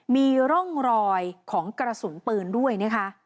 มีร่องรอยของกระสุนปืนด้วยนะคะ